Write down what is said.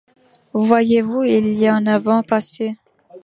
Voyez-vous, il y a neuf ans passés